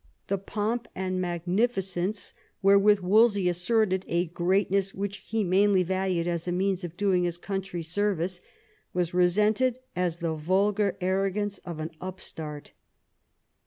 The pomp and magnificence wherewith Wolsey asserted a great ness which he mainly valued as a means of doing his country service, was resented as the vulgar arrogance of an upstart.